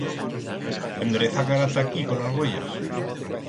Endreza cara ta aquí con las uellas.